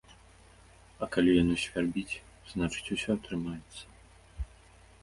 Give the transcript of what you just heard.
А калі яно свярбіць, значыць, усё атрымаецца.